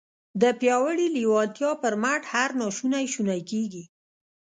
د پياوړې لېوالتیا پر مټ هر ناشونی شونی کېږي.